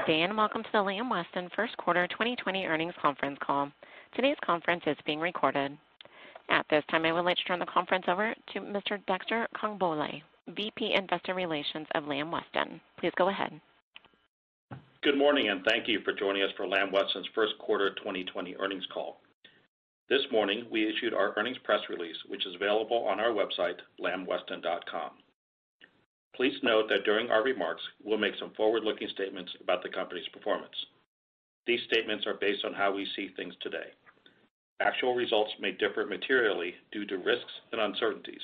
Good day, and welcome to the Lamb Weston First Quarter 2020 Earnings Conference Call. Today's conference is being recorded. At this time, I would like to turn the conference over to Mr. Dexter Congbalay, VP Investor Relations of Lamb Weston. Please go ahead. Good morning, thank you for joining us for Lamb Weston's first quarter 2020 earnings call. This morning, we issued our earnings press release, which is available on our website, lambweston.com. Please note that during our remarks, we'll make some forward-looking statements about the company's performance. These statements are based on how we see things today. Actual results may differ materially due to risks and uncertainties.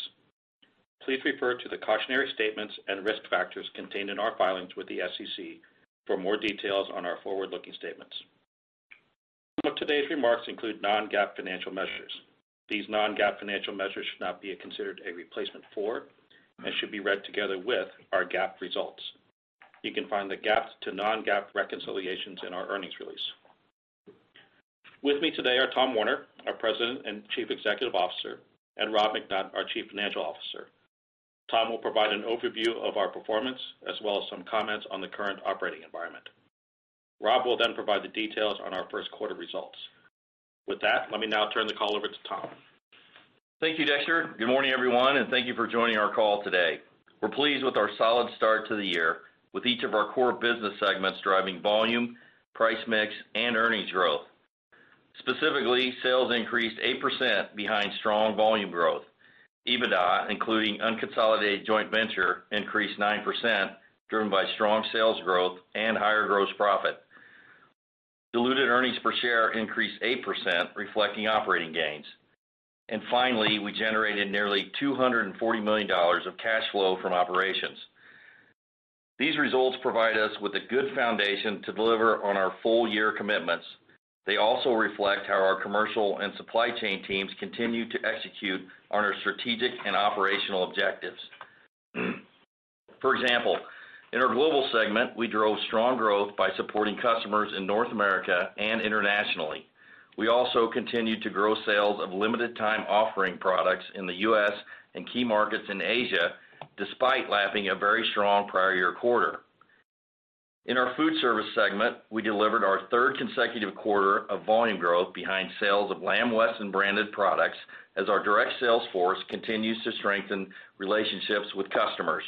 Please refer to the cautionary statements and risk factors contained in our filings with the SEC for more details on our forward-looking statements. Some of today's remarks include non-GAAP financial measures. These non-GAAP financial measures should not be considered a replacement for, and should be read together with, our GAAP results. You can find the GAAP to non-GAAP reconciliations in our earnings release. With me today are Tom Werner, our President and Chief Executive Officer, and Robert McNutt, our Chief Financial Officer. Tom will provide an overview of our performance, as well as some comments on the current operating environment. Rob will provide the details on our first quarter results. With that, let me now turn the call over to Tom. Thank you, Dexter. Good morning, everyone, and thank you for joining our call today. We're pleased with our solid start to the year, with each of our core business segments driving volume, price mix, and earnings growth. Specifically, sales increased 8% behind strong volume growth. EBITDA, including unconsolidated joint venture, increased 9%, driven by strong sales growth and higher gross profit. Diluted earnings per share increased 8%, reflecting operating gains. Finally, we generated nearly $240 million of cash flow from operations. These results provide us with a good foundation to deliver on our full-year commitments. They also reflect how our commercial and supply chain teams continue to execute on our strategic and operational objectives. In our global segment, we drove strong growth by supporting customers in North America and internationally. We also continued to grow sales of limited time offering products in the U.S. and key markets in Asia, despite lapping a very strong prior year quarter. In our Food Service segment, we delivered our third consecutive quarter of volume growth behind sales of Lamb Weston branded products as our direct sales force continues to strengthen relationships with customers.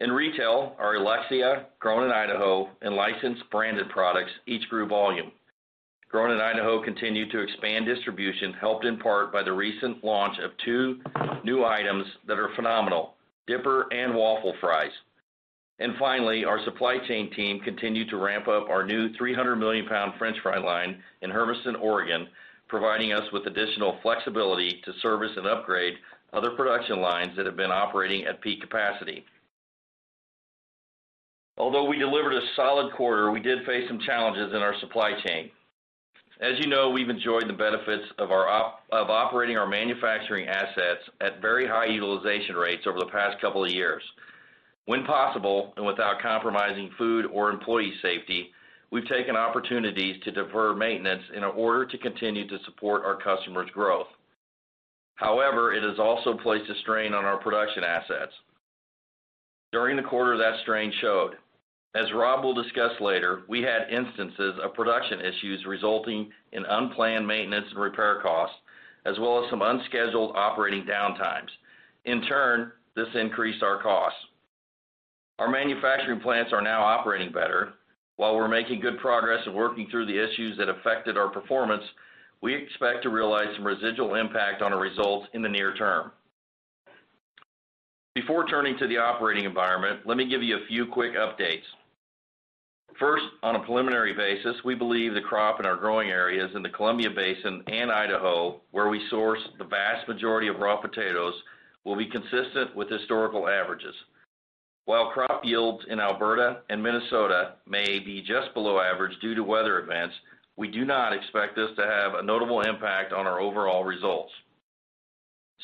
In Retail, our Alexia, Grown In Idaho, and licensed branded products each grew volume. Grown In Idaho continued to expand distribution, helped in part by the recent launch of two new items that are phenomenal: Potato Dippers and waffle fries. Finally, our supply chain team continued to ramp up our new 300 million pound French fry line in Hermiston, Oregon, providing us with additional flexibility to service and upgrade other production lines that have been operating at peak capacity. We delivered a solid quarter, we did face some challenges in our supply chain. As you know, we've enjoyed the benefits of operating our manufacturing assets at very high utilization rates over the past couple of years. When possible, without compromising food or employee safety, we've taken opportunities to defer maintenance in order to continue to support our customers' growth. It has also placed a strain on our production assets. During the quarter, that strain showed. As Rob will discuss later, we had instances of production issues resulting in unplanned maintenance and repair costs, as well as some unscheduled operating downtimes. In turn, this increased our costs. Our manufacturing plants are now operating better. We're making good progress in working through the issues that affected our performance, we expect to realize some residual impact on our results in the near term. Before turning to the operating environment, let me give you a few quick updates. First, on a preliminary basis, we believe the crop in our growing areas in the Columbia Basin and Idaho, where we source the vast majority of raw potatoes, will be consistent with historical averages. While crop yields in Alberta and Minnesota may be just below average due to weather events, we do not expect this to have a notable impact on our overall results.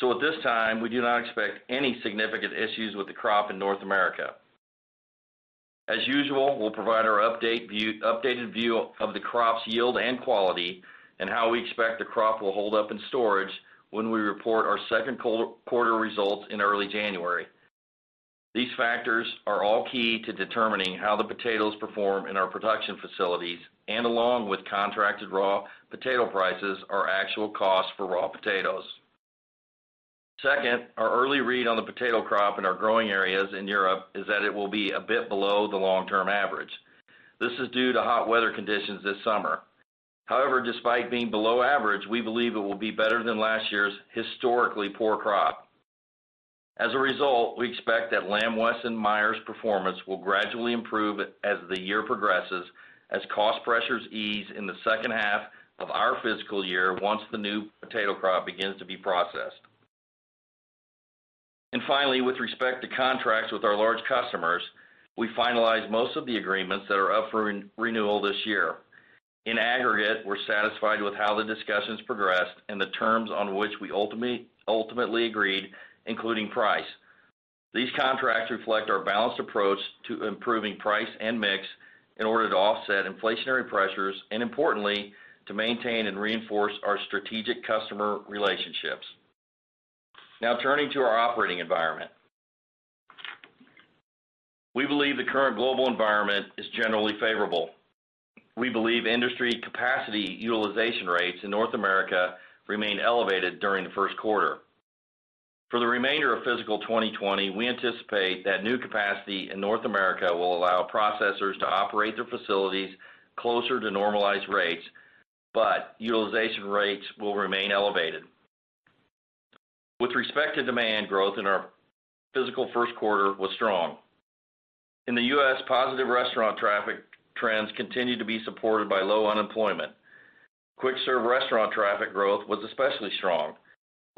At this time, we do not expect any significant issues with the crop in North America. As usual, we'll provide our updated view of the crop's yield and quality and how we expect the crop will hold up in storage when we report our second quarter results in early January. These factors are all key to determining how the potatoes perform in our production facilities, and along with contracted raw potato prices, our actual cost for raw potatoes. Second, our early read on the potato crop in our growing areas in Europe is that it will be a bit below the long-term average. This is due to hot weather conditions this summer. However, despite being below average, we believe it will be better than last year's historically poor crop. As a result, we expect that Lamb Weston / Meijer's performance will gradually improve as the year progresses, as cost pressures ease in the second half of our fiscal year, once the new potato crop begins to be processed. Finally, with respect to contracts with our large customers, we finalized most of the agreements that are up for renewal this year. In aggregate, we're satisfied with how the discussions progressed and the terms on which we ultimately agreed, including price. These contracts reflect our balanced approach to improving price and mix in order to offset inflationary pressures and importantly, to maintain and reinforce our strategic customer relationships. Turning to our operating environment. We believe the current global environment is generally favorable. We believe industry capacity utilization rates in North America remained elevated during the first quarter. For the remainder of fiscal 2020, we anticipate that new capacity in North America will allow processors to operate their facilities closer to normalized rates, but utilization rates will remain elevated. With respect to demand growth in our fiscal first quarter was strong. In the U.S., positive restaurant traffic trends continued to be supported by low unemployment. Quick Service restaurant traffic growth was especially strong,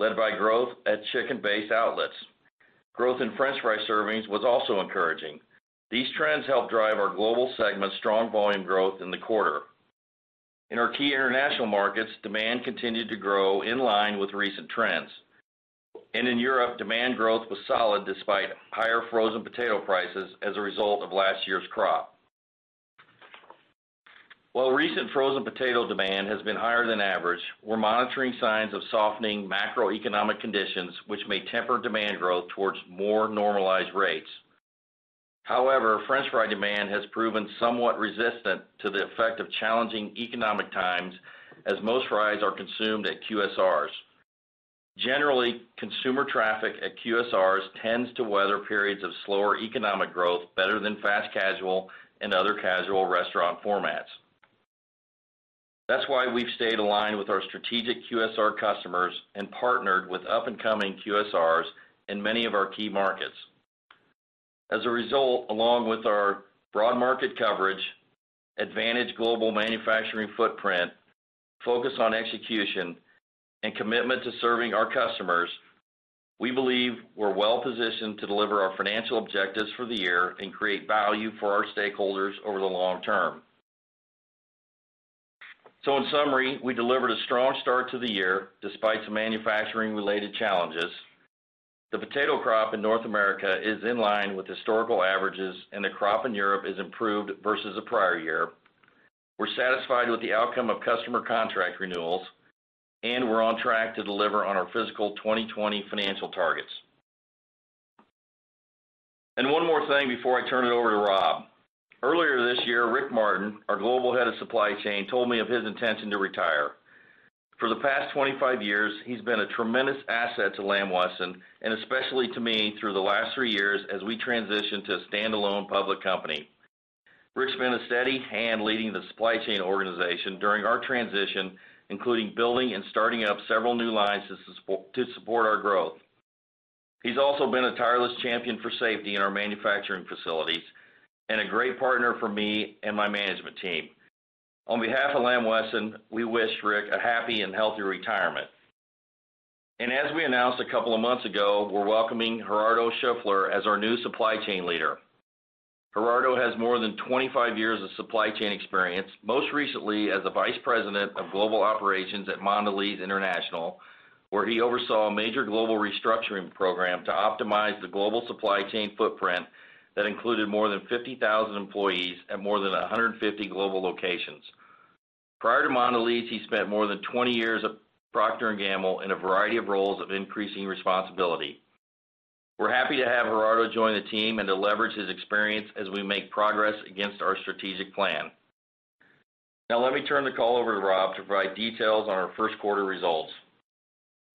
led by growth at chicken-based outlets. Growth in french fry servings was also encouraging. These trends helped drive our global segment's strong volume growth in the quarter. In our key international markets, demand continued to grow in line with recent trends. In Europe, demand growth was solid despite higher frozen potato prices as a result of last year's crop. While recent frozen potato demand has been higher than average, we're monitoring signs of softening macroeconomic conditions which may temper demand growth towards more normalized rates. However, french fry demand has proven somewhat resistant to the effect of challenging economic times, as most fries are consumed at QSRs. Generally, consumer traffic at QSRs tends to weather periods of slower economic growth better than fast casual and other casual restaurant formats. That's why we've stayed aligned with our strategic QSR customers and partnered with up-and-coming QSRs in many of our key markets. As a result, along with our broad market coverage, advantaged global manufacturing footprint, focus on execution, and commitment to serving our customers, we believe we're well-positioned to deliver our financial objectives for the year and create value for our stakeholders over the long term. In summary, we delivered a strong start to the year despite some manufacturing-related challenges. The potato crop in North America is in line with historical averages, and the crop in Europe is improved versus the prior year. We're satisfied with the outcome of customer contract renewals, and we're on track to deliver on our fiscal 2020 financial targets. One more thing before I turn it over to Rob. Earlier this year, Rick Martin, our Global Head of Supply Chain, told me of his intention to retire. For the past 25 years, he's been a tremendous asset to Lamb Weston, and especially to me through the last 3 years as we transition to a standalone public company. Rick's been a steady hand leading the supply chain organization during our transition, including building and starting up several new lines to support our growth. He's also been a tireless champion for safety in our manufacturing facilities and a great partner for me and my management team. On behalf of Lamb Weston, we wish Rick a happy and healthy retirement. As we announced a couple of months ago, we're welcoming Gerardo Scheffler as our new supply chain leader. Gerardo has more than 25 years of supply chain experience, most recently as the Vice President of Global Operations at Mondelēz International, where he oversaw a major global restructuring program to optimize the global supply chain footprint that included more than 50,000 employees at more than 150 global locations. Prior to Mondelez, he spent more than 20 years at Procter & Gamble in a variety of roles of increasing responsibility. We're happy to have Gerardo join the team and to leverage his experience as we make progress against our strategic plan. Now, let me turn the call over to Rob to provide details on our first quarter results.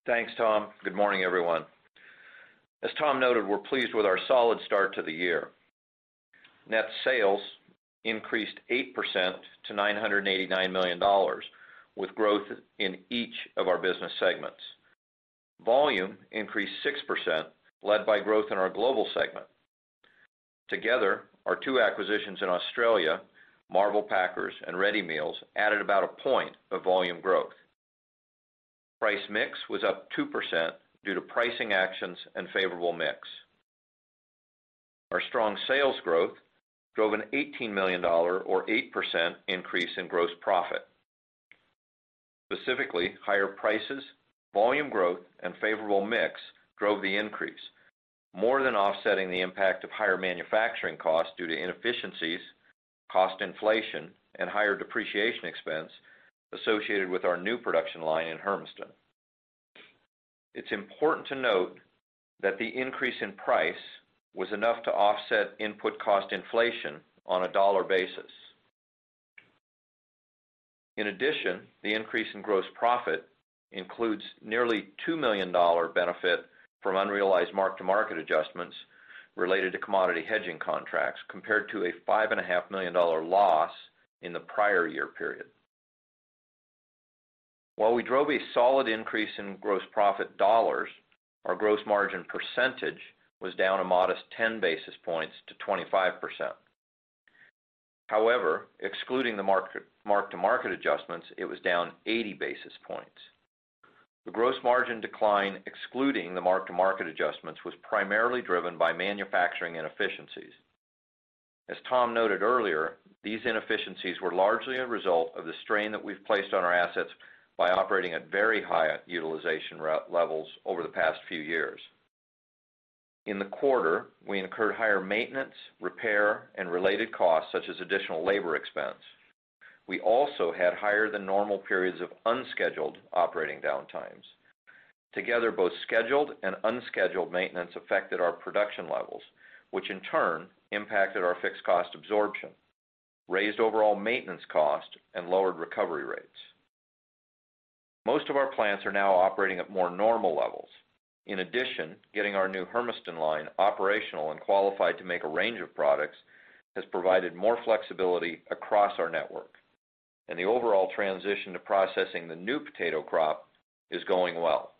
Thanks, Tom. Good morning, everyone. As Tom noted, we're pleased with our solid start to the year. Net sales increased 8% to $989 million, with growth in each of our business segments. Volume increased 6%, led by growth in our global segment. Together, our two acquisitions in Australia, Marvel Packers and Ready Meals, added about a point of volume growth. Price mix was up 2% due to pricing actions and favorable mix. Our strong sales growth drove an $18 million or 8% increase in gross profit. Specifically, higher prices, volume growth, and favorable mix drove the increase, more than offsetting the impact of higher manufacturing costs due to inefficiencies, cost inflation, and higher depreciation expense associated with our new production line in Hermiston. It's important to note that the increase in price was enough to offset input cost inflation on a dollar basis. The increase in gross profit includes nearly a $2 million benefit from unrealized mark-to-market adjustments related to commodity hedging contracts, compared to a $5.5 million loss in the prior year period. While we drove a solid increase in gross profit dollars, our gross margin percentage was down a modest 10 basis points to 25%. Excluding the mark-to-market adjustments, it was down 80 basis points. The gross margin decline, excluding the mark-to-market adjustments, was primarily driven by manufacturing inefficiencies. As Tom noted earlier, these inefficiencies were largely a result of the strain that we've placed on our assets by operating at very high utilization levels over the past few years. In the quarter, we incurred higher maintenance, repair, and related costs, such as additional labor expense. We also had higher than normal periods of unscheduled operating downtimes. Together, both scheduled and unscheduled maintenance affected our production levels, which in turn impacted our fixed cost absorption, raised overall maintenance cost, and lowered recovery rates. Most of our plants are now operating at more normal levels. In addition, getting our new Hermiston line operational and qualified to make a range of products has provided more flexibility across our network, and the overall transition to processing the new potato crop is going well.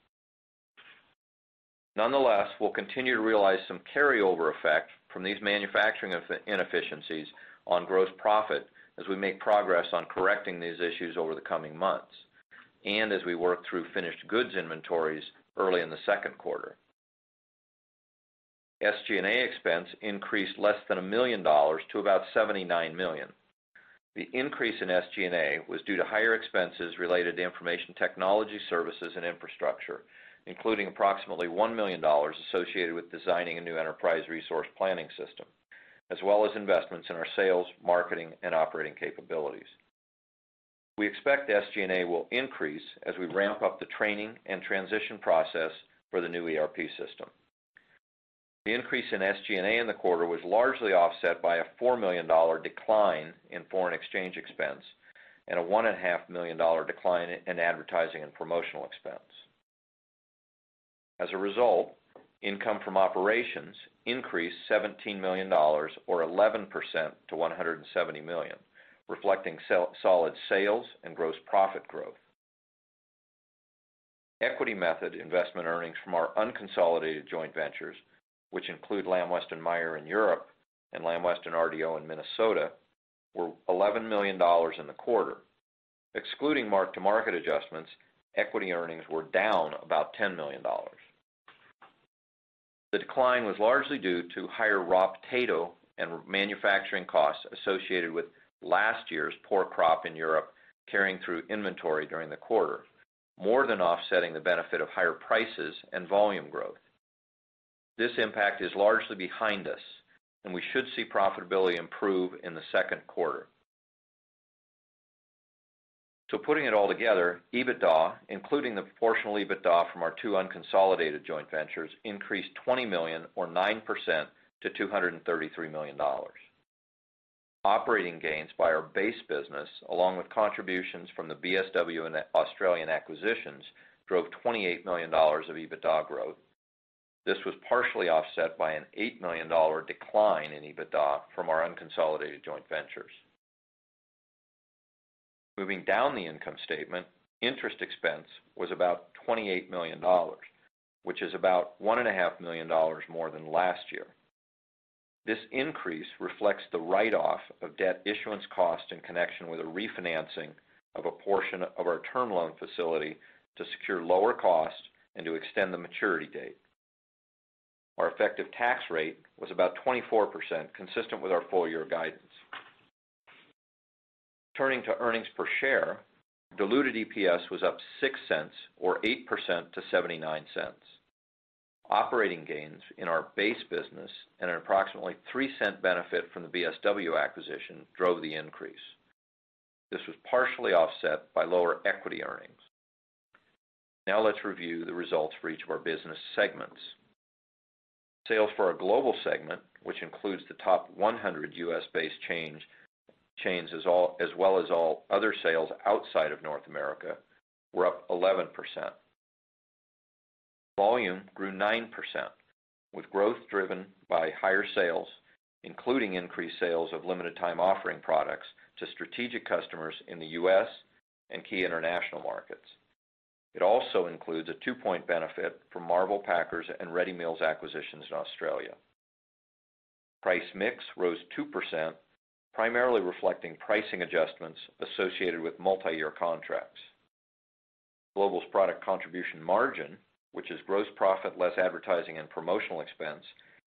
Nonetheless, we'll continue to realize some carryover effect from these manufacturing inefficiencies on gross profit as we make progress on correcting these issues over the coming months, and as we work through finished goods inventories early in the second quarter. SG&A expense increased less than $1 million to about $79 million. The increase in SG&A was due to higher expenses related to information technology services and infrastructure, including approximately $1 million associated with designing a new enterprise resource planning system, as well as investments in our sales, marketing, and operating capabilities. We expect SG&A will increase as we ramp up the training and transition process for the new ERP system. The increase in SG&A in the quarter was largely offset by a $4 million decline in foreign exchange expense and a $1.5 million decline in advertising and promotional expense. As a result, income from operations increased $17 million or 11% to $170 million, reflecting solid sales and gross profit growth. Equity method investment earnings from our unconsolidated joint ventures, which include Lamb Weston / Meijer in Europe and Lamb-Weston/RDO in Minnesota, were $11 million in the quarter. Excluding mark-to-market adjustments, equity earnings were down about $10 million. The decline was largely due to higher raw potato and manufacturing costs associated with last year's poor crop in Europe carrying through inventory during the quarter, more than offsetting the benefit of higher prices and volume growth. This impact is largely behind us, and we should see profitability improve in the second quarter. Putting it all together, EBITDA, including the proportional EBITDA from our two unconsolidated joint ventures, increased $20 million or 9% to $233 million. Operating gains by our base business, along with contributions from the BSW and Australian acquisitions, drove $28 million of EBITDA growth. This was partially offset by an $8 million decline in EBITDA from our unconsolidated joint ventures. Moving down the income statement, interest expense was about $28 million, which is about $1.5 million more than last year. This increase reflects the write-off of debt issuance cost in connection with a refinancing of a portion of our term loan facility to secure lower cost and to extend the maturity date. Our effective tax rate was about 24%, consistent with our full-year guidance. Turning to earnings per share, diluted EPS was up $0.06 or 8% to $0.79. Operating gains in our base business and an approximately $0.03 benefit from the BSW acquisition drove the increase. This was partially offset by lower equity earnings. Let's review the results for each of our business segments. Sales for our global segment, which includes the top 100 U.S.-based chains, as well as all other sales outside of North America, were up 11%. Volume grew 9%, with growth driven by higher sales, including increased sales of limited time offering products to strategic customers in the U.S. and key international markets. It also includes a two-point benefit from Marvel Packers and Ready Meals acquisitions in Australia. Price mix rose 2%, primarily reflecting pricing adjustments associated with multi-year contracts. Global's product contribution margin, which is gross profit less advertising and promotional expense,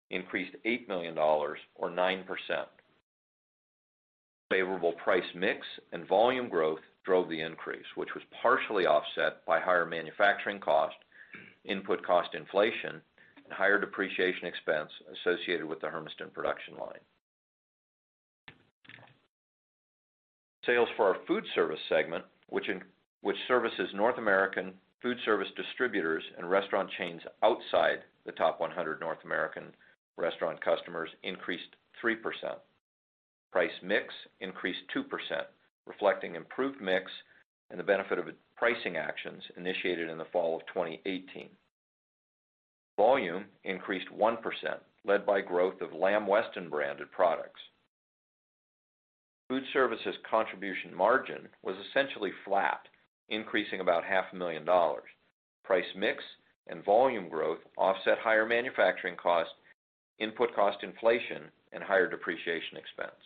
increased $8 million or 9%. Favorable price mix and volume growth drove the increase, which was partially offset by higher manufacturing cost, input cost inflation, and higher depreciation expense associated with the Hermiston production line. Sales for our food service segment, which services North American food service distributors and restaurant chains outside the top 100 North American restaurant customers, increased 3%. Price mix increased 2%, reflecting improved mix and the benefit of pricing actions initiated in the fall of 2018. Volume increased 1%, led by growth of Lamb Weston branded products. Food services contribution margin was essentially flat, increasing about half a million dollars. Price mix and volume growth offset higher manufacturing cost, input cost inflation, and higher depreciation expense.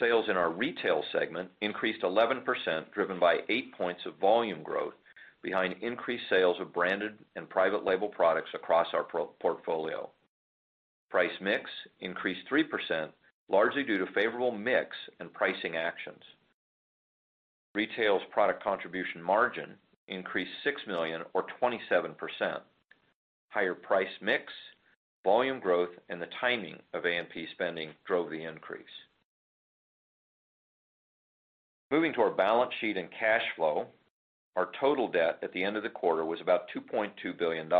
Sales in our retail segment increased 11%, driven by 8 points of volume growth behind increased sales of branded and private label products across our portfolio. Price mix increased 3%, largely due to favorable mix and pricing actions. Retail's product contribution margin increased 6 million or 27%. Higher price mix, volume growth, and the timing of A&P spending drove the increase. Moving to our balance sheet and cash flow, our total debt at the end of the quarter was about $2.2 billion.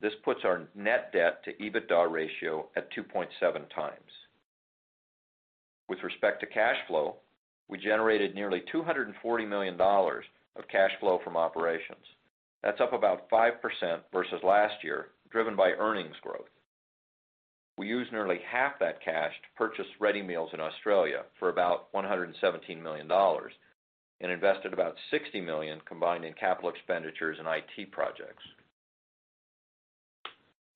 This puts our net debt to EBITDA ratio at 2.7 times. With respect to cash flow, we generated nearly $240 million of cash flow from operations. That's up about 5% versus last year, driven by earnings growth. We used nearly half that cash to purchase Ready Meals in Australia for about $117 million and invested about $60 million combined in capital expenditures and IT projects.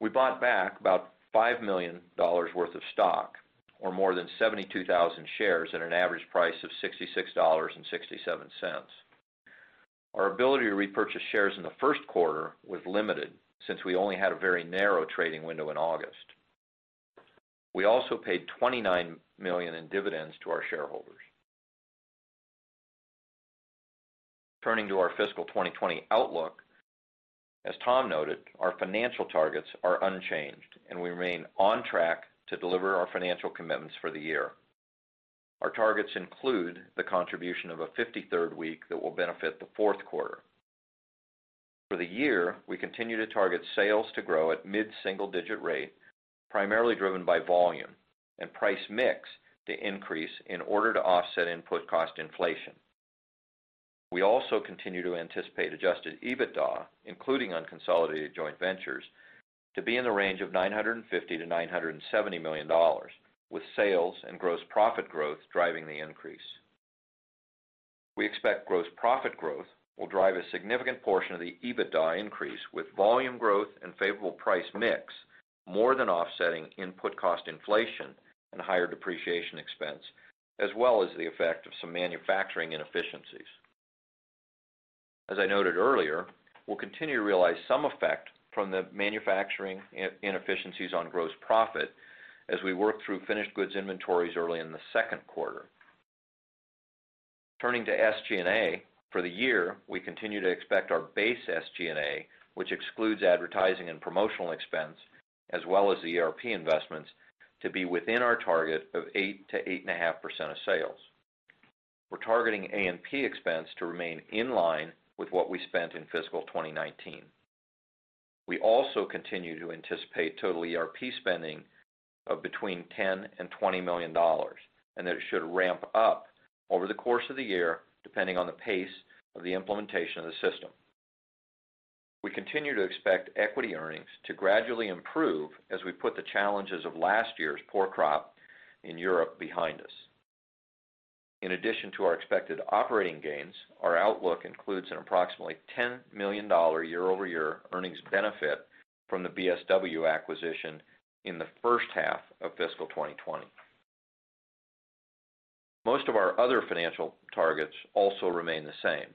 We bought back about $5 million worth of stock, or more than 72,000 shares at an average price of $66.67. Our ability to repurchase shares in the first quarter was limited, since we only had a very narrow trading window in August. We also paid $29 million in dividends to our shareholders. Turning to our fiscal 2020 outlook, as Tom noted, our financial targets are unchanged, and we remain on track to deliver our financial commitments for the year. Our targets include the contribution of a 53rd week that will benefit the fourth quarter. For the year, we continue to target sales to grow at mid-single digit rate, primarily driven by volume and price mix to increase in order to offset input cost inflation. We also continue to anticipate adjusted EBITDA, including unconsolidated joint ventures, to be in the range of $950 million-$970 million, with sales and gross profit growth driving the increase. We expect gross profit growth will drive a significant portion of the EBITDA increase, with volume growth and favorable price mix more than offsetting input cost inflation and higher depreciation expense, as well as the effect of some manufacturing inefficiencies. As I noted earlier, we will continue to realize some effect from the manufacturing inefficiencies on gross profit as we work through finished goods inventories early in the second quarter. Turning to SG&A, for the year, we continue to expect our base SG&A, which excludes advertising and promotional expense, as well as the ERP investments, to be within our target of 8%-8.5% of sales. We're targeting A&P expense to remain in line with what we spent in fiscal 2019. We also continue to anticipate total ERP spending of between $10 million and $20 million, and that it should ramp up over the course of the year, depending on the pace of the implementation of the system. We continue to expect equity earnings to gradually improve as we put the challenges of last year's poor crop in Europe behind us. In addition to our expected operating gains, our outlook includes an approximately $10 million year-over-year earnings benefit from the BSW acquisition in the first half of fiscal 2020. Most of our other financial targets also remain the same,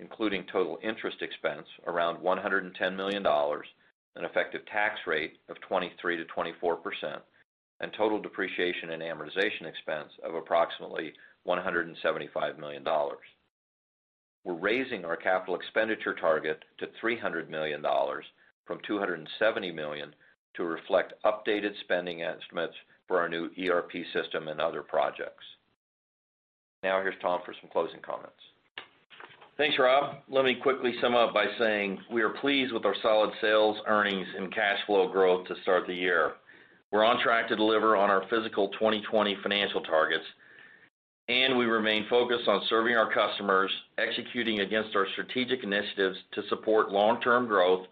including total interest expense around $110 million, an effective tax rate of 23%-24%, and total depreciation and amortization expense of approximately $175 million. We're raising our capital expenditure target to $300 million from $270 million to reflect updated spending estimates for our new ERP system and other projects. Now, here's Tom for some closing comments. Thanks, Rob. Let me quickly sum up by saying we are pleased with our solid sales, earnings, and cash flow growth to start the year. We're on track to deliver on our fiscal 2020 financial targets, and we remain focused on serving our customers, executing against our strategic initiatives to support long-term growth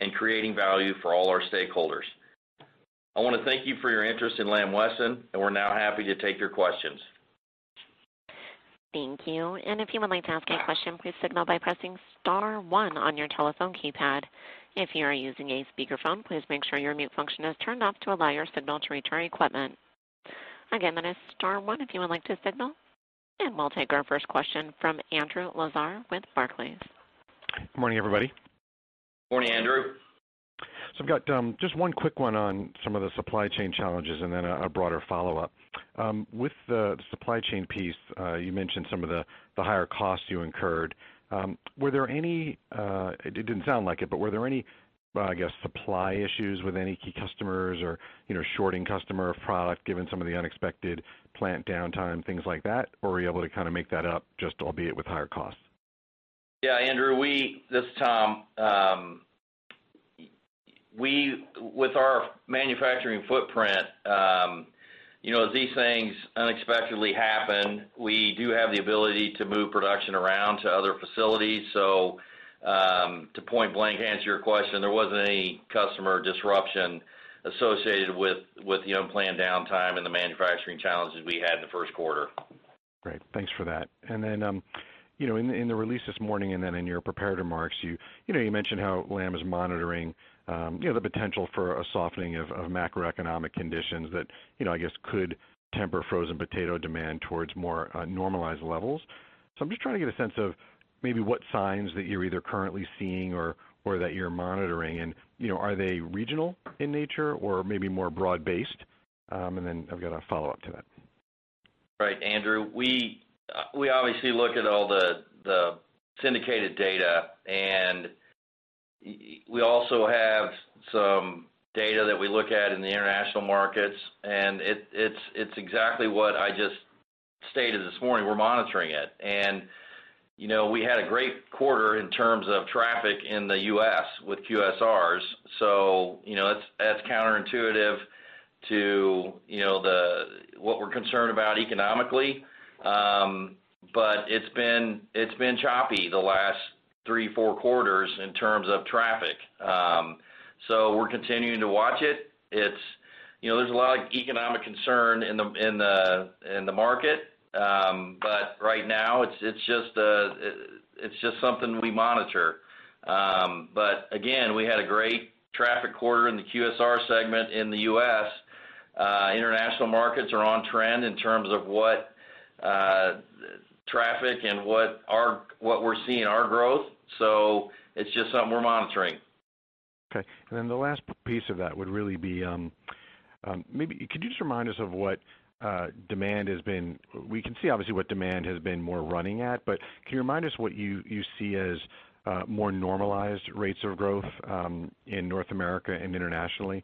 and creating value for all our stakeholders. I want to thank you for your interest in Lamb Weston, and we're now happy to take your questions. Thank you. If you would like to ask a question, please signal by pressing *1 on your telephone keypad. If you are using a speakerphone, please make sure your mute function is turned off to allow your signal to reach our equipment. Again, that is *1 if you would like to signal. We'll take our first question from Andrew Lazar with Barclays. Good morning, everybody. Morning, Andrew. I've got just one quick one on some of the supply chain challenges and then a broader follow-up. With the supply chain piece, you mentioned some of the higher costs you incurred. It didn't sound like it, but were there any, I guess, supply issues with any key customers or shorting customer product, given some of the unexpected plant downtime, things like that? Were you able to kind of make that up, just albeit with higher costs? Andrew, this is Tom. With our manufacturing footprint, as these things unexpectedly happen, we do have the ability to move production around to other facilities. To point blank answer your question, there wasn't any customer disruption associated with the unplanned downtime and the manufacturing challenges we had in the first quarter. Great. Thanks for that. In the release this morning and then in your prepared remarks, you mentioned how Lamb is monitoring the potential for a softening of macroeconomic conditions that, I guess, could temper frozen potato demand towards more normalized levels. I'm just trying to get a sense of maybe what signs that you're either currently seeing or that you're monitoring, and are they regional in nature or maybe more broad-based? I've got a follow-up to that. Right, Andrew. We obviously look at all the syndicated data, we also have some data that we look at in the international markets, it's exactly what I just stated this morning. We're monitoring it. We had a great quarter in terms of traffic in the U.S. with QSRs. That's counterintuitive to what we're concerned about economically. It's been choppy the last three, four quarters in terms of traffic. We're continuing to watch it. There's a lot of economic concern in the market. Right now it's just something we monitor. Again, we had a great traffic quarter in the QSR segment in the U.S. International markets are on trend in terms of what traffic and what we're seeing in our growth. It's just something we monitor. Okay. The last piece of that would really be, maybe could you just remind us of what demand has been? We can see obviously what demand has been more running at. Can you remind us what you see as more normalized rates of growth in North America and internationally?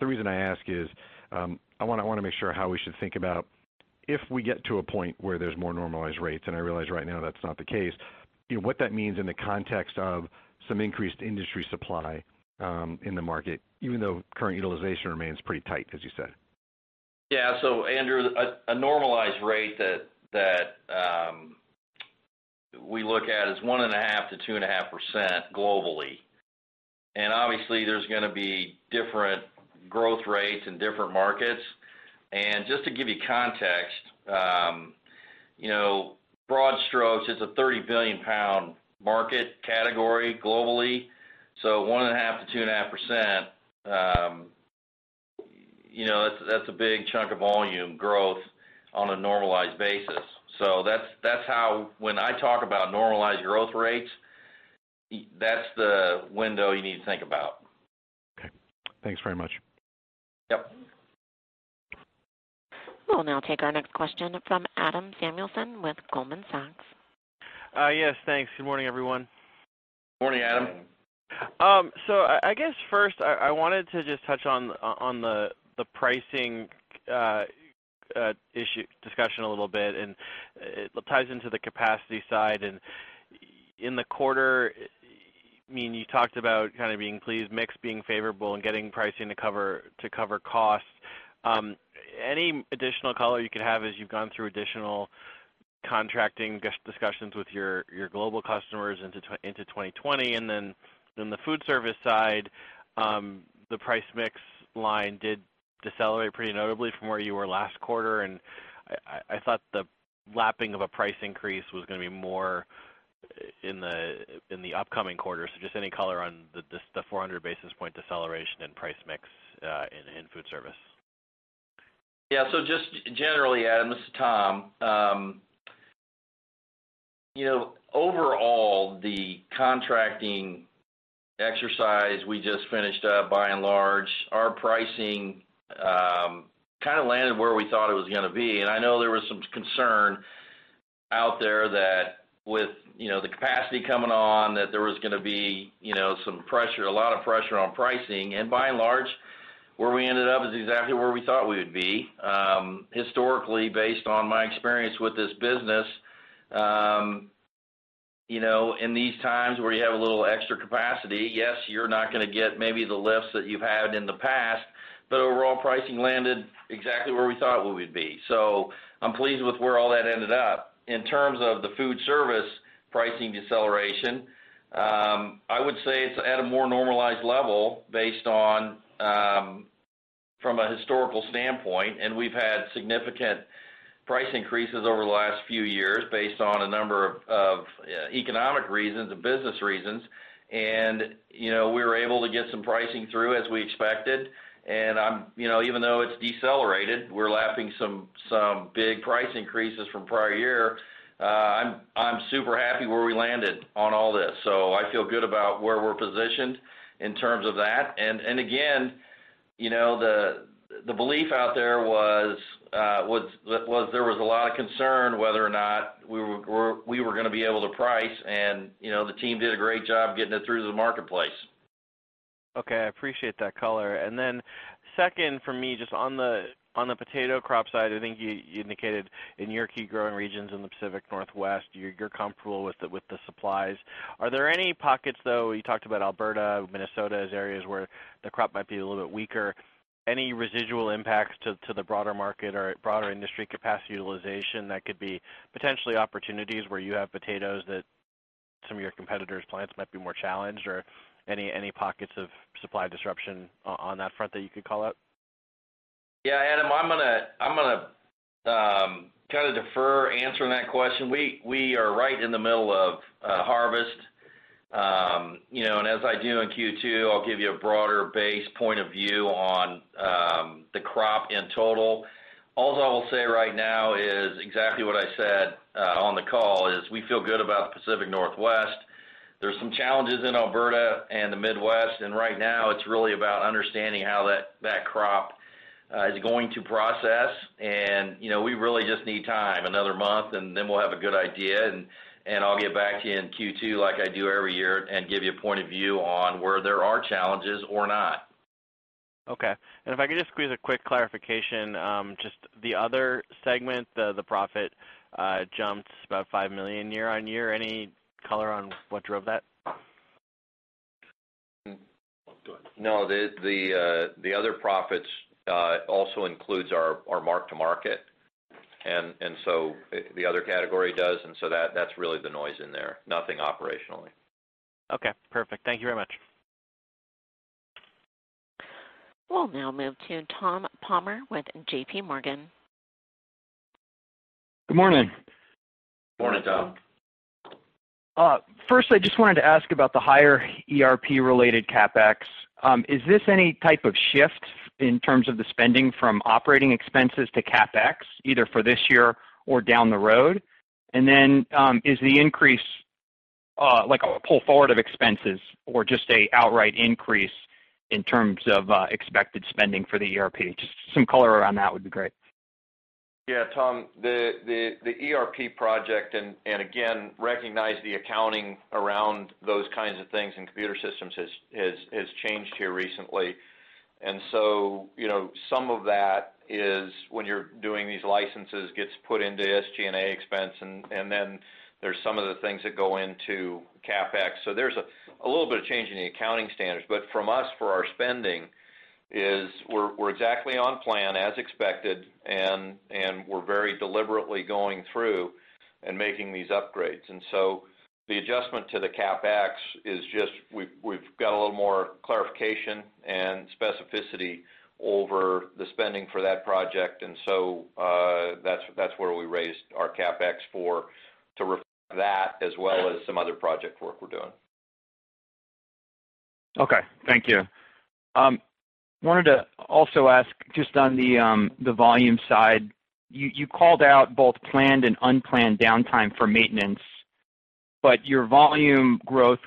The reason I ask is, I want to make sure how we should think about if we get to a point where there's more normalized rates, and I realize right now that's not the case, what that means in the context of some increased industry supply in the market, even though current utilization remains pretty tight, as you said. Andrew, a normalized rate that we look at is 1.5%-2.5% globally. Obviously there's going to be different growth rates in different markets. Just to give you context, broad strokes, it's a 30 billion pound market category globally. 1.5%-2.5%, that's a big chunk of volume growth on a normalized basis. That's how when I talk about normalized growth rates, that's the window you need to think about. Okay. Thanks very much. Yep. We'll now take our next question from Adam Samuelson with Goldman Sachs. Yes, thanks. Good morning, everyone. Morning, Adam. I guess first, I wanted to just touch on the pricing discussion a little bit, and it ties into the capacity side. In the quarter, you talked about kind of being pleased, mix being favorable and getting pricing to cover costs. Any additional color you could have as you've gone through additional contracting discussions with your global customers into 2020? The food service side, the price mix line did decelerate pretty notably from where you were last quarter, and I thought the lapping of a price increase was going to be more in the upcoming quarter. Just any color on the 400 basis points deceleration in price mix in food service? Yeah, just generally, Adam, this is Tom. Overall, the contracting exercise we just finished up, by and large, our pricing kind of landed where we thought it was going to be. I know there was some concern out there that with the capacity coming on, that there was going to be some pressure, a lot of pressure on pricing. By and large, where we ended up is exactly where we thought we would be. Historically, based on my experience with this business, in these times where you have a little extra capacity, yes, you're not going to get maybe the lifts that you've had in the past, overall pricing landed exactly where we thought we would be. I'm pleased with where all that ended up. In terms of the food service pricing deceleration, I would say it's at a more normalized level based on from a historical standpoint. We've had significant price increases over the last few years based on a number of economic reasons and business reasons. We were able to get some pricing through as we expected. Even though it's decelerated, we're lapping some big price increases from prior year. I'm super happy where we landed on all this. I feel good about where we're positioned in terms of that. Again, the belief out there was there was a lot of concern whether or not we were going to be able to price and the team did a great job getting it through to the marketplace. Okay. I appreciate that color. Second for me, just on the potato crop side, I think you indicated in your key growing regions in the Pacific Northwest, you're comfortable with the supplies. Are there any pockets, though, you talked about Alberta, Minnesota, as areas where the crop might be a little bit weaker? Any residual impacts to the broader market or broader industry capacity utilization that could be potentially opportunities where you have potatoes that some of your competitors' plants might be more challenged or any pockets of supply disruption on that front that you could call out? Yeah, Adam, I'm going to kind of defer answering that question. We are right in the middle of harvest. As I do in Q2, I'll give you a broader base point of view on the crop in total. All I will say right now is exactly what I said We feel good about the Pacific Northwest. There's some challenges in Alberta and the Midwest, and right now it's really about understanding how that crop is going to process. We really just need time, another month, and then we'll have a good idea, and I'll get back to you in Q2 like I do every year and give you a point of view on where there are challenges or not. Okay. If I could just squeeze a quick clarification. Just the other segment, the profit jumped about $5 million year-on-year. Any color on what drove that? No. The other profits also includes our mark-to-market, the other category does, and so that's really the noise in there. Nothing operationally. Okay, perfect. Thank you very much. We'll now move to Tom Palmer with JPMorgan. Good morning. Morning, Tom. I just wanted to ask about the higher ERP related CapEx. Is this any type of shift in terms of the spending from operating expenses to CapEx, either for this year or down the road? Is the increase like a pull forward of expenses or just an outright increase in terms of expected spending for the ERP? Some color around that would be great. Yeah, Tom, the ERP project, again, recognize the accounting around those kinds of things in computer systems has changed here recently. Some of that is when you're doing these licenses gets put into SG&A expense, then there's some of the things that go into CapEx. There's a little bit of change in the accounting standards. From us for our spending is we're exactly on plan as expected, and we're very deliberately going through and making these upgrades. The adjustment to the CapEx is just we've got a little more clarification and specificity over the spending for that project. That's where we raised our CapEx for to reflect that as well as some other project work we're doing. Okay. Thank you. Wanted to also ask just on the volume side, you called out both planned and unplanned downtime for maintenance. Your volume growth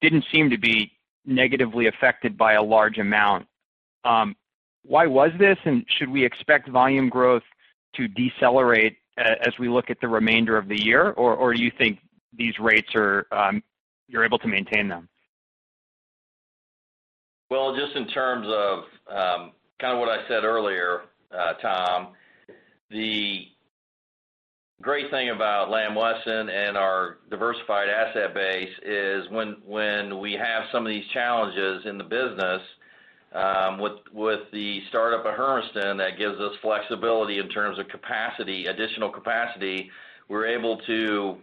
didn't seem to be negatively affected by a large amount. Why was this? Should we expect volume growth to decelerate as we look at the remainder of the year? Do you think these rates you're able to maintain them? Well, just in terms of kind of what I said earlier, Tom, the great thing about Lamb Weston and our diversified asset base is when we have some of these challenges in the business, with the startup at Hermiston, that gives us flexibility in terms of capacity, additional capacity. We're able to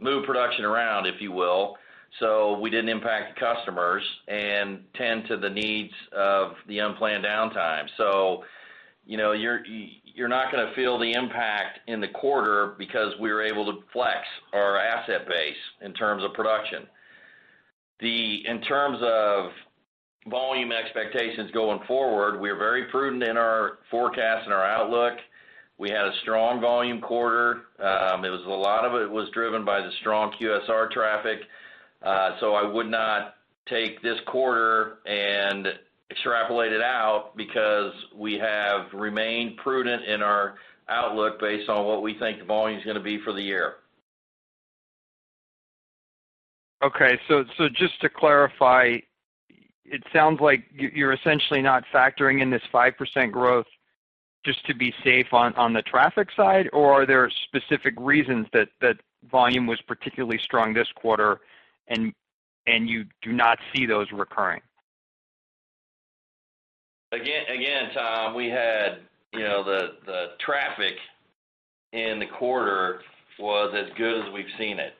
move production around, if you will. We didn't impact the customers and tend to the needs of the unplanned downtime. You're not going to feel the impact in the quarter because we were able to flex our asset base in terms of production. In terms of volume expectations going forward, we are very prudent in our forecast and our outlook. We had a strong volume quarter. A lot of it was driven by the strong QSR traffic. I would not take this quarter and extrapolate it out because we have remained prudent in our outlook based on what we think the volume's going to be for the year. Okay. Just to clarify, it sounds like you're essentially not factoring in this 5% growth just to be safe on the traffic side. Are there specific reasons that volume was particularly strong this quarter, and you do not see those recurring? Again, Tom, we had the traffic in the quarter was as good as we've seen it.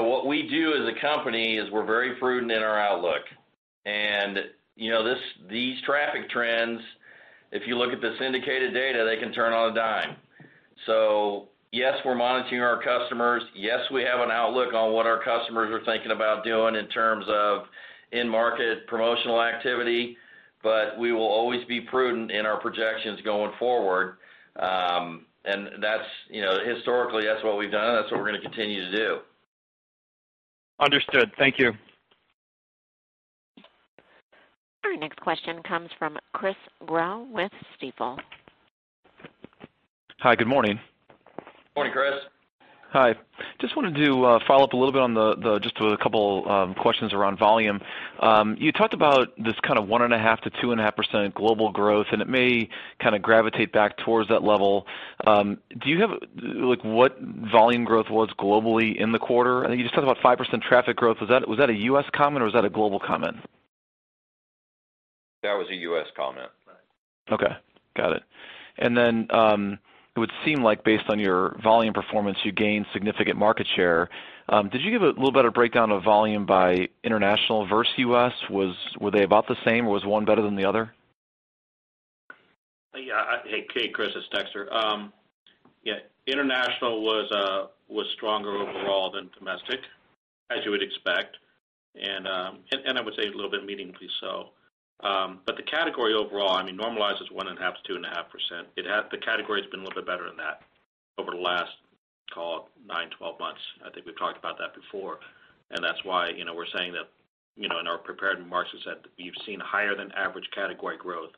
What we do as a company is we're very prudent in our outlook. These traffic trends, if you look at the syndicated data, they can turn on a dime. Yes, we're monitoring our customers. Yes, we have an outlook on what our customers are thinking about doing in terms of in-market promotional activity, but we will always be prudent in our projections going forward. Historically that's what we've done, and that's what we're going to continue to do. Understood. Thank you. Our next question comes from Chris Growe with Stifel. Hi, good morning. Morning, Chris. Hi. Just wanted to follow up a little bit on just a couple questions around volume. You talked about this kind of 1.5%-2.5% global growth, and it may kind of gravitate back towards that level. Do you have what volume growth was globally in the quarter? I think you just talked about five% traffic growth. Was that a U.S. comment or was that a global comment? That was a U.S. comment. Okay. Got it. It would seem like based on your volume performance, you gained significant market share. Did you give a little better breakdown of volume by international versus U.S.? Were they about the same, or was one better than the other? Yeah. Hey, Chris, it's Dexter. Yeah, international was stronger overall than domestic, as you would expect. say a little bit meaningfully so. The category overall, normalizes one and a half to two and a half%. The category's been a little bit better than that over the last, call it nine to 12 months. I think we've talked about that before, and that's why we're saying that in our prepared remarks, we said we've seen higher than average category growth,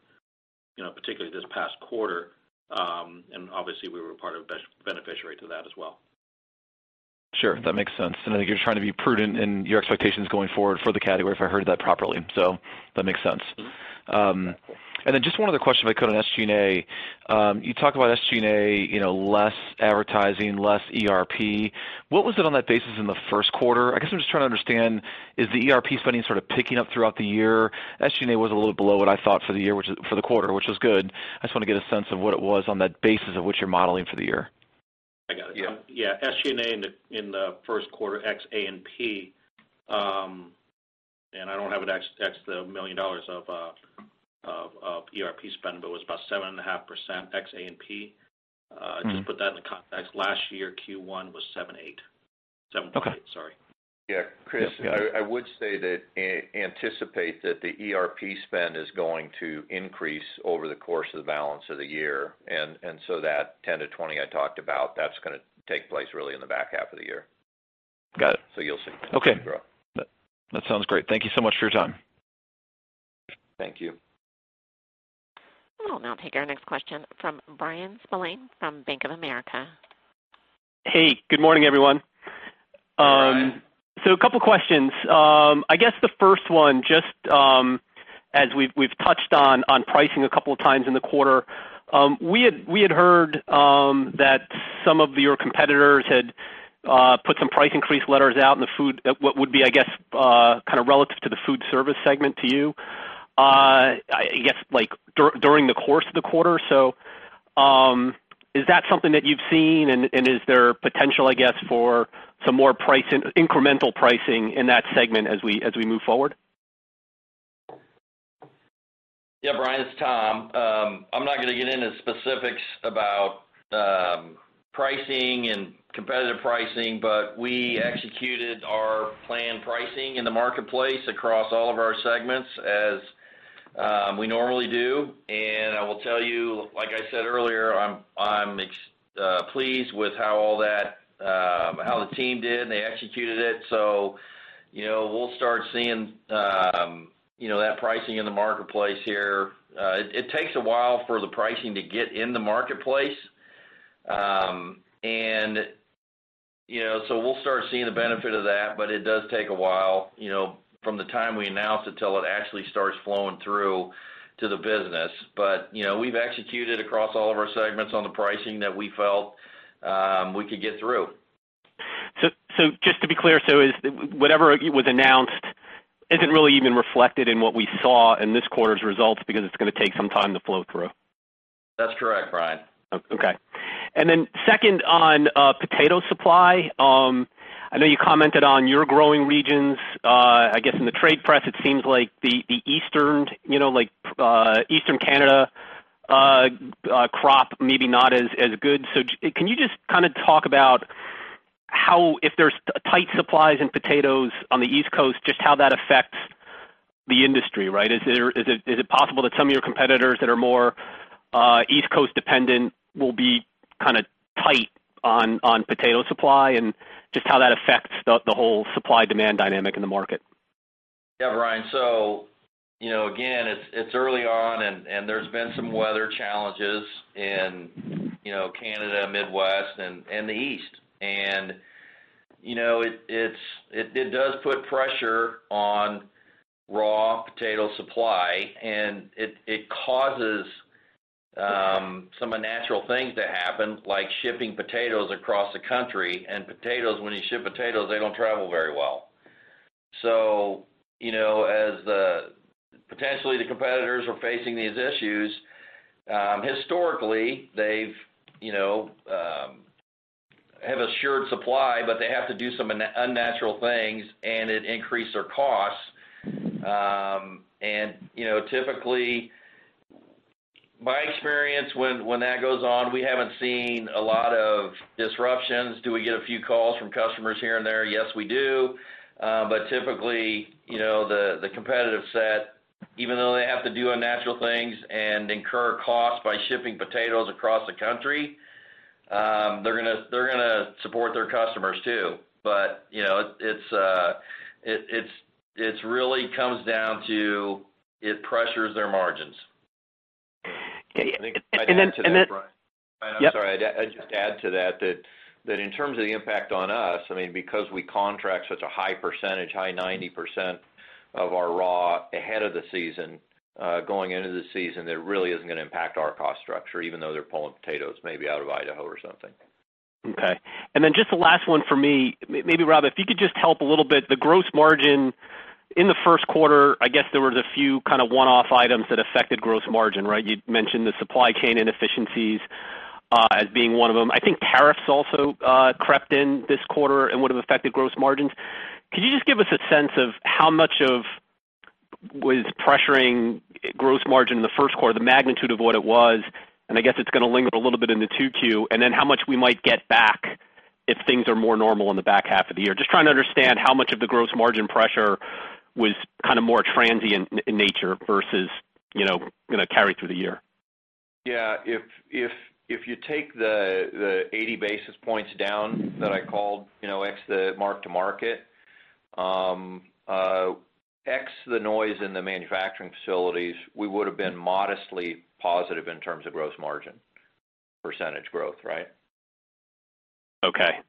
particularly this past quarter. Obviously we were part of beneficiary to that as well. Sure. That makes sense. I think you're trying to be prudent in your expectations going forward for the category, if I heard that properly. That makes sense. Then just one other question if I could on SG&A. You talk about SG&A, less advertising, less ERP. What was it on that basis in the first quarter? I guess I'm just trying to understand, is the ERP spending sort of picking up throughout the year? SG&A was a little below what I thought for the quarter, which was good. I just want to get a sense of what it was on that basis of what you're modeling for the year. I got it. Yeah. Yeah. SG&A in the first quarter, ex A&P, and I don't have it ex the $1 million of ERP spend, but it was about 7.5% ex A&P. Just put that into context. Last year, Q1 was 7.8, sorry. Okay. Yeah, Chris Growe, I would say that anticipate that the ERP spend is going to increase over the course of the balance of the year, and so that $10-$20 I talked about, that's going to take place really in the back half of the year. Got it. You'll see some growth. Okay. That sounds great. Thank you so much for your time. Thank you. We'll now take our next question from Bryan Spillane from Bank of America. Hey, good morning, everyone. Hey, Bryan. A couple questions. I guess the first one, just as we've touched on pricing a couple of times in the quarter. We had heard that some of your competitors had put some price increase letters out in what would be, I guess, kind of relative to the food service segment to you, I guess, during the course of the quarter. Is that something that you've seen, and is there potential, I guess, for some more incremental pricing in that segment as we move forward? Yeah, Bryan, it's Tom. I'm not going to get into specifics about pricing and competitive pricing. We executed our planned pricing in the marketplace across all of our segments as we normally do. I will tell you, like I said earlier, I'm pleased with how the team did, and they executed it. We'll start seeing that pricing in the marketplace here. It takes a while for the pricing to get in the marketplace. We'll start seeing the benefit of that. It does take a while, from the time we announce until it actually starts flowing through to the business. We've executed across all of our segments on the pricing that we felt we could get through. Just to be clear, so whatever was announced isn't really even reflected in what we saw in this quarter's results because it's going to take some time to flow through? That's correct, Bryan. Okay. Second on potato supply. I know you commented on your growing regions. I guess in the trade press, it seems like the Eastern Canada crop maybe not as good. Can you just talk about how if there's tight supplies in potatoes on the East Coast, just how that affects the industry, right? Is it possible that some of your competitors that are more East Coast dependent will be tight on potato supply? Just how that affects the whole supply-demand dynamic in the market. Bryan. Again, it's early on. There's been some weather challenges in Canada, Midwest, and the East. It does put pressure on raw potato supply, and it causes some unnatural things to happen, like shipping potatoes across the country. Potatoes, when you ship potatoes, they don't travel very well. As potentially the competitors are facing these issues, historically they've have assured supply, but they have to do some unnatural things, and it increased their costs. Typically, my experience when that goes on, we haven't seen a lot of disruptions. Do we get a few calls from customers here and there? Yes, we do. Typically, the competitive set, even though they have to do unnatural things and incur costs by shipping potatoes across the country, they're going to support their customers, too. It really comes down to it pressures their margins. Okay. If I can add to that, Bryan. Yep. Bryan, I'm sorry. I'd just add to that in terms of the impact on us, because we contract such a high percentage, high 90% of our raw ahead of the season, going into the season, that really isn't going to impact our cost structure, even though they're pulling potatoes maybe out of Idaho or something. Okay. Just the last one for me. Maybe, Rob, if you could just help a little bit, the gross margin in the first quarter, I guess there was a few one-off items that affected gross margin, right? You'd mentioned the supply chain inefficiencies as being one of them. I think tariffs also crept in this quarter and would've affected gross margins. Could you just give us a sense of how much was pressuring gross margin in the first quarter, the magnitude of what it was, and I guess it's going to linger a little bit into 2Q, and then how much we might get back if things are more normal in the back half of the year. Just trying to understand how much of the gross margin pressure was more transient in nature versus carry through the year. Yeah. If you take the 80 basis points down that I called, ex the mark to market, ex the noise in the manufacturing facilities, we would've been modestly positive in terms of gross margin % growth, right? Okay.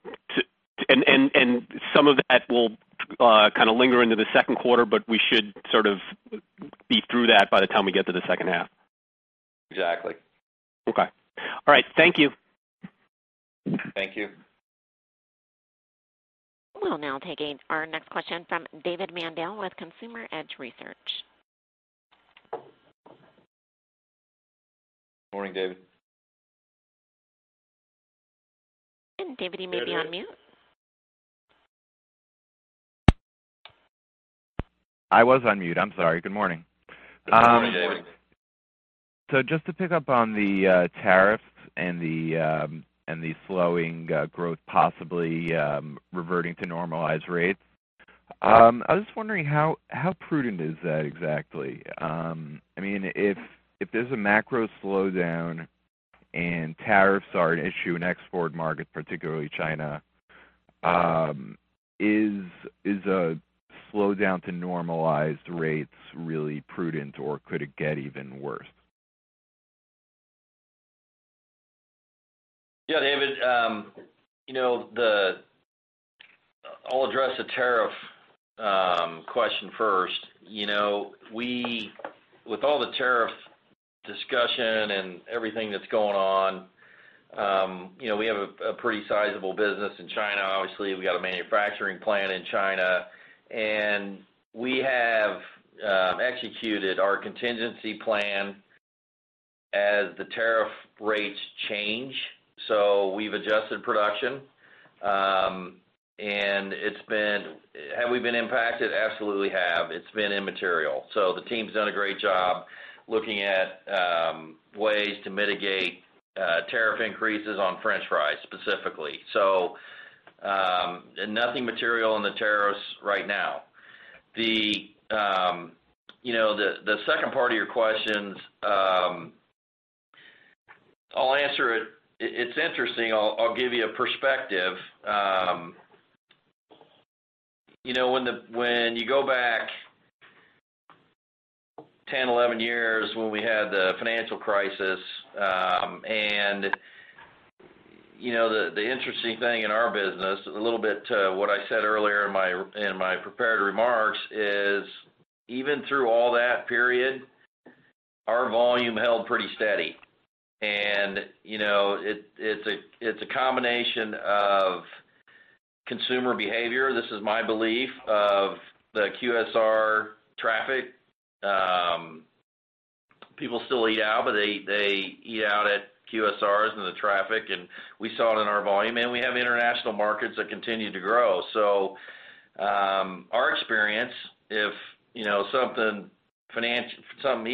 Some of that will kind of linger into the second quarter, but we should sort of be through that by the time we get to the second half. Exactly. Okay. All right. Thank you. Thank you. We'll now be taking our next question from David Mandell with Consumer Edge Research. Morning, David. David, you may be on mute. I was on mute. I'm sorry. Good morning. Good morning, David. Just to pick up on the tariffs and the slowing growth, possibly reverting to normalized rates. I was just wondering how prudent is that exactly? If there's a macro slowdown and tariffs are an issue in export markets, particularly China, is a slowdown to normalized rates really prudent, or could it get even worse? Yeah, David. I'll address the tariff question first. With all the tariff discussion and everything that's going on, we have a pretty sizable business in China. Obviously, we got a manufacturing plant in China, and we have executed our contingency plan as the tariff rates change. We've adjusted production. Have we been impacted? Absolutely have. It's been immaterial. The team's done a great job looking at ways to mitigate tariff increases on french fries specifically. Nothing material on the tariffs right now. The second part of your questions, I'll answer it. It's interesting. I'll give you a perspective. When you go back 10, 11 years, when we had the financial crisis, and the interesting thing in our business, a little bit to what I said earlier in my prepared remarks, is even through all that period, our volume held pretty steady. It's a combination of consumer behavior. This is my belief of the QSR traffic. People still eat out, they eat out at QSRs and the traffic, we saw it in our volume. We have international markets that continue to grow. Our experience, if something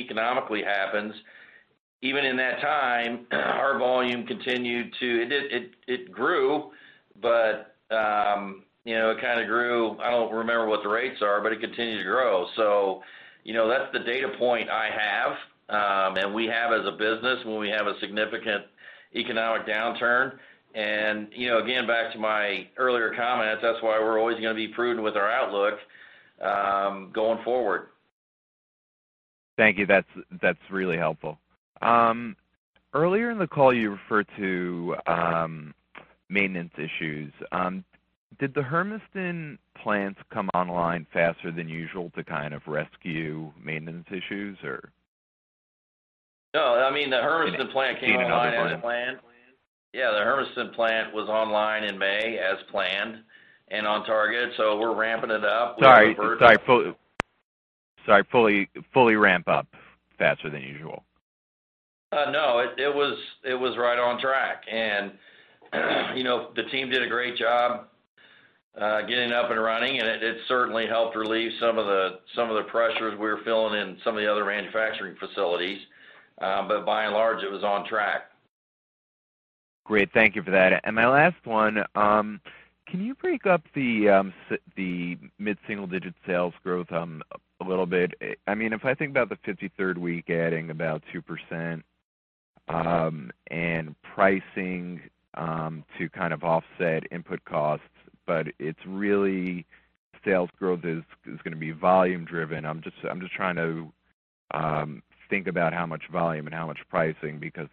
economically happens, even in that time our volume grew but it kind of grew. I don't remember what the rates are, it continued to grow. That's the data point I have, and we have as a business when we have a significant economic downturn. Again, back to my earlier comments, that's why we're always going to be prudent with our outlook going forward. Thank you. That's really helpful. Earlier in the call, you referred to maintenance issues. Did the Hermiston plants come online faster than usual to kind of rescue maintenance issues? No, the Hermiston plant came online as planned. continue to be another problem? Yeah, the Hermiston plant was online in May as planned and on target, so we're ramping it up. Sorry, fully ramp up faster than usual? No, it was right on track. The team did a great job getting up and running, and it certainly helped relieve some of the pressures we were feeling in some of the other manufacturing facilities. By and large, it was on track. Great. Thank you for that. My last one, can you break up the mid-single-digit sales growth a little bit? If I think about the 53rd week adding about 2% and pricing to kind of offset input costs, but it's really sales growth is going to be volume driven. I'm just trying to think about how much volume and how much pricing, because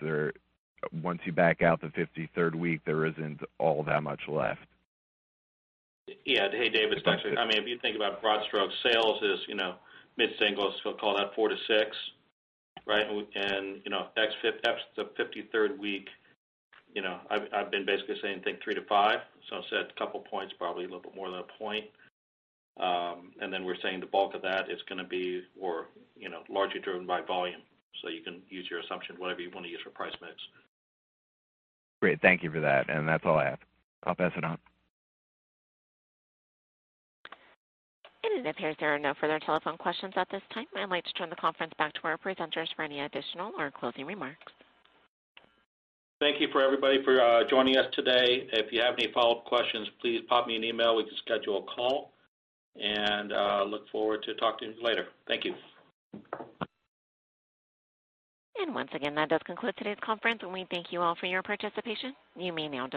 once you back out the 53rd week, there isn't all that much left. Yeah. Hey, David. It's Dexter. If you think about broad strokes, sales is mid-singles. We'll call that four to six. Right? Ex the 53rd week, I've been basically saying, think three to five. I said a couple points, probably a little bit more than a point. We're saying the bulk of that is going to be largely driven by volume. You can use your assumption, whatever you want to use for price mix. Great. Thank you for that. That's all I have. I'll pass it on. It appears there are no further telephone questions at this time. I'd like to turn the conference back to our presenters for any additional or closing remarks. Thank you, everybody, for joining us today. If you have any follow-up questions, please pop me an email. We can schedule a call. Look forward to talking to you later. Thank you. Once again, that does conclude today's conference, and we thank you all for your participation. You may now disconnect.